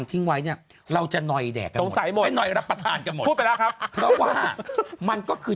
ทิ้งไว้เนี่ยเราจะนอยแดดตรงสายหมดน่อยรับประทานจะหมดราครับเพราะว่ามันก็คือ